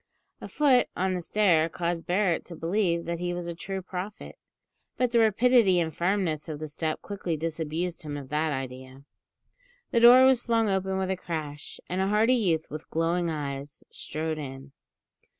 A foot on the stair caused Barret to believe that he was a true prophet; but the rapidity and firmness of the step quickly disabused him of that idea. The door was flung open with a crash, and a hearty youth with glowing eyes strode in.